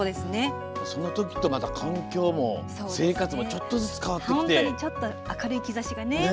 その時と、また環境も生活もちょっとずつ変わってきて。